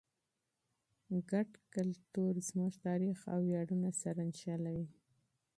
مشترک کلتور زموږ تاریخ او ویاړونه سره نښلوي.